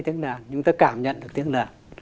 tiếng đàn chúng ta cảm nhận được tiếng đàn